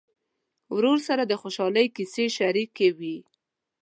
ورور سره د خوشحالۍ کیسې شريکې وي.